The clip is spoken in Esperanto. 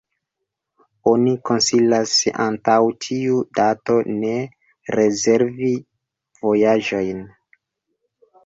Oni konsilas antaŭ tiu dato ne rezervi vojaĝojn.